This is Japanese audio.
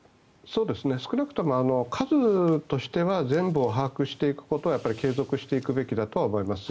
少なくとも数としては全部を把握していくことは継続していくべきだと思います。